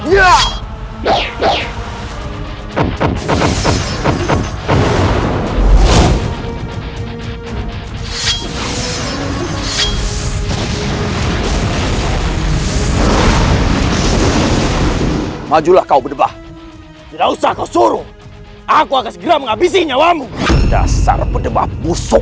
ya majulah kau berbah tidak usah kau suruh aku akan segera menghabisinya wang dasar berbah busuk